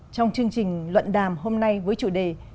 trong chương trình luận đàm hôm nay với chủ đề